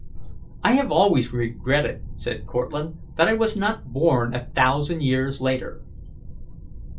"I have always regretted," said Cortlandt, "that I was not born a thousand years later."